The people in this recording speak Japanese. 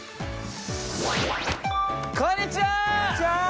こんにちは！